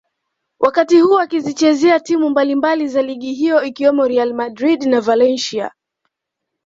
wakati huo akizichezea timu mbalimbali za ligi hiyo ikiwemo Real Madrid na Valencia